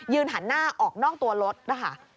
หันหน้าออกนอกตัวรถนะคะ